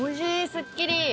すっきり。